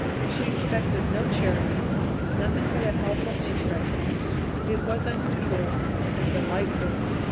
She expected no charity, nothing but a helpful interest. It was unusual and delightful.